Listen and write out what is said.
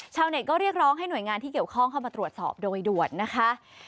เน็ตก็เรียกร้องให้หน่วยงานที่เกี่ยวข้องเข้ามาตรวจสอบโดยด่วนนะคะ